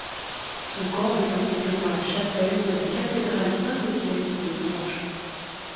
Son corps est enterré dans la chapelle de la cathédrale Saint-Étienne de Bourges.